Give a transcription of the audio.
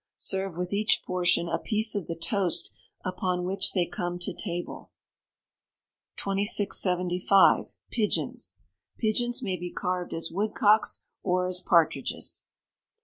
Serve with each portion a piece of the toast upon which they come to table. 2675. Pigeons. Pigeons may be carved as woodcocks, or as partridges.